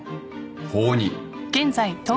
法に。